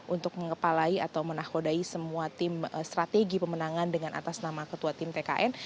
untuk mengepalai atau menakodai semua tim strategi pemenangan dengan atas nama ketua tim tkn